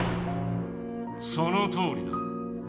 そのとおりだ。